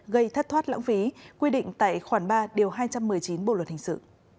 gây thất thoát lãng phí quy định tại khoản ba điều hai trăm một mươi chín bộ luật hình sự